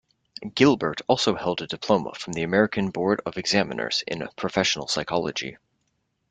Gilbert also held a diploma from the American Board of Examiners in Professional Psychology.